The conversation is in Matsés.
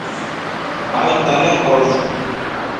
aidta nemposh?